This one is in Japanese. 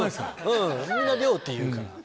うんみんなって言うから。